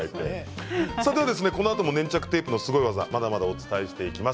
このあとも粘着テープのすごい技まだまだお伝えしていきます。